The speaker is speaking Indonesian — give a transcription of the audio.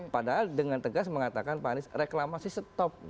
padahal dengan tegas mengatakan pak anies reklamasi stop